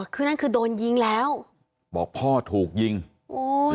คือนั่นคือโดนยิงแล้วบอกพ่อถูกยิงโอ้ย